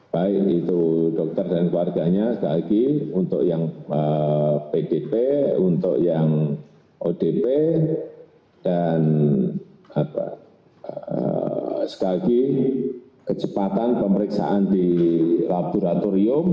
baik itu dokter dan keluarganya sekali lagi untuk yang pdp untuk yang odp dan sekali lagi kecepatan pemeriksaan di laboratorium